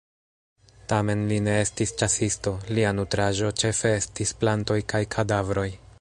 Tamen li ne estis ĉasisto, lia nutraĵo ĉefe estis plantoj kaj kadavroj.